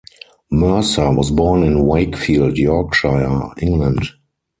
Mercer was born in Wakefield, Yorkshire, England.